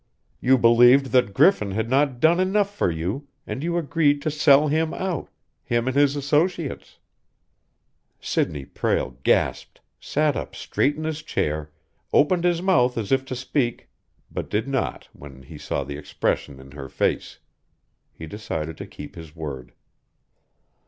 You believed that Griffin had not done enough for you and you agreed to sell him out him and his associates." Sidney Prale gasped, sat up straight in his chair, opened his mouth as if to speak, but did not when he saw the expression in her face. He decided to keep his word.